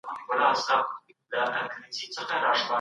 استازو به د زلزلې ځپلو سره د مرستو بهير څارلی وي.